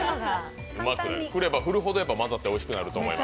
振れば振るほど混ざっておいしくなると思います。